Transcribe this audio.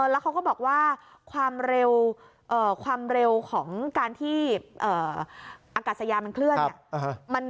แล้วเขาก็บอกว่าความเร็วของการที่อากาศยานมันเคลื่อนเนี่ย